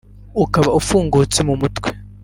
ukaba ufungutse mu mutwe